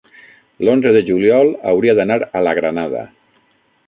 l'onze de juliol hauria d'anar a la Granada.